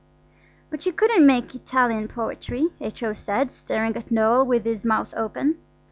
"But you couldn't make Italian poetry," H.O. said, staring at Noël with his mouth open.